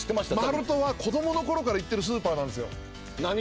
マルトは子供の頃から行ってるスーパーなんですよ。